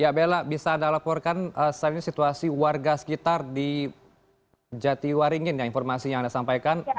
ya bella bisa anda laporkan saat ini situasi warga sekitar di jatiwaringin yang informasinya anda sampaikan